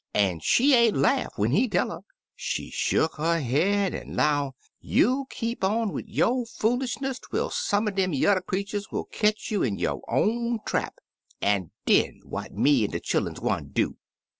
An' she ain't laugh when he tell 'er; she shuck 'er head an' 'low, 'You'll keep on wid yo' foolishness twel some er dem yuther creeturs will ketch you in yo' own trap — an' den what me an' de chilluns gwine do?'